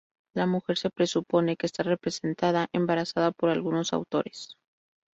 La mujer se presupone que está representada embarazada por algunos autores.